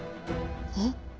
えっ？